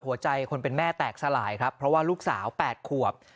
หัวใจคนเป็นแม่แตกสลายครับเพราะว่าลูกสาว๘ขวบ